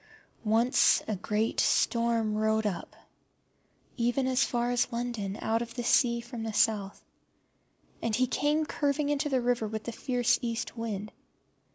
Once a great storm rode up, even as far as London, out of the sea from the South; and he came curving into the river with the fierce East wind.